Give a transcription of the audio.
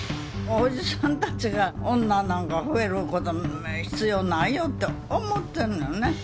おじさんたちが女なんか増えること必要ないよって思ってるのよね。